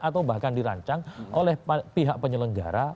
atau bahkan dirancang oleh pihak penyelenggara